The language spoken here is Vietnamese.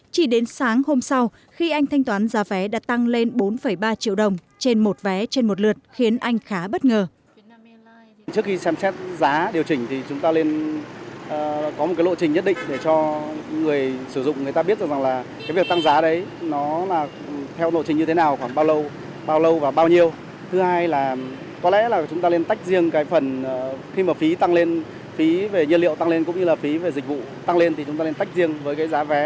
chỉ đến sáng hôm sau khi anh thanh toán giá vé đã tăng lên bốn ba triệu đồng trên một vé trên một lượt khiến anh khá bất ngờ